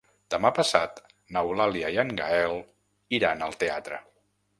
Demà passat n'Eulàlia i en Gaël iran al teatre.